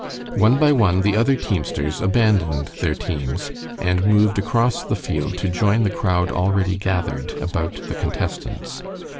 One by one the other teamsters abandoned their teams and moved across the field to join the crowd already gathered about the contestants.